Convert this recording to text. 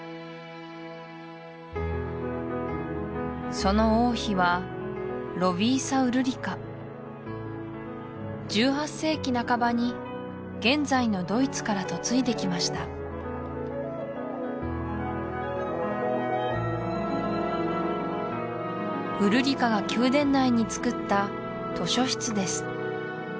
その王妃はロヴィーサ・ウルリカ１８世紀半ばに現在のドイツから嫁いできましたウルリカが宮殿内に造った図書室です